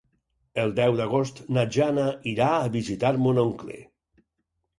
El deu d'agost na Jana irà a visitar mon oncle.